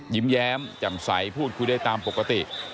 ยิ้มแย้มแจ่มใสพูดคุยได้ตามปกติ